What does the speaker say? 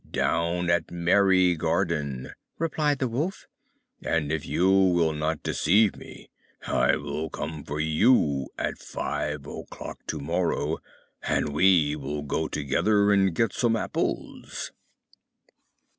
"Down at Merry garden," replied the Wolf; "and if you will not deceive me I will come for you, at five o'clock to morrow, and we will go together and get some apples."